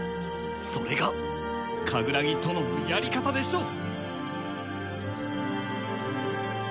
それがカグラギ殿のやり方でしょう！